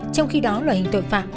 trong khi đó loại hình tội phạm